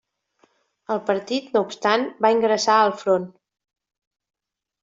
El partit no obstant va ingressar al Front.